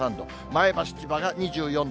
前橋、千葉が２４度。